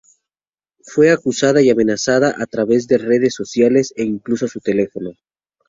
fue acosada y amenazada a través de redes sociales e incluso su teléfono